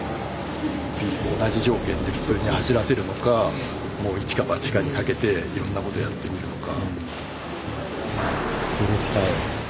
次同じ条件で普通に走らせるのかもう一か八かにかけていろんなことやってみるのか。